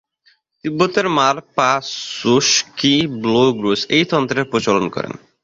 তিব্বতে মার-পা-ছোস-ক্যি-ব্লো-গ্রোস এই তন্ত্রের প্রচলন করেন।